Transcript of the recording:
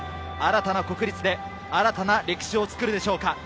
新たな国立で新たな歴史を作るでしょうか。